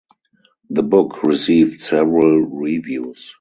The book received several reviews.